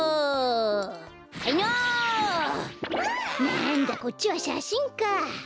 なんだこっちはしゃしんか。